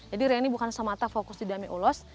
jadi reni bukan semata fokus di damai ulos